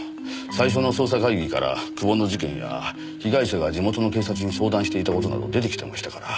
最初の捜査会議から久保の事件や被害者が地元の警察に相談していた事など出てきてましたから。